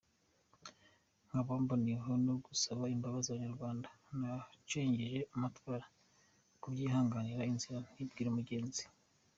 Nkaba mboneyeho nogusaba imbabazi abanyarwanda nacengeje amatwara kubyihanganira inzira ntibwira umugenzi !